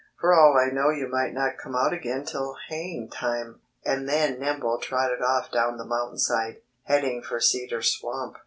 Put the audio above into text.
"For all I know you might not come out again till haying time." And then Nimble trotted off down the mountainside, heading for Cedar Swamp.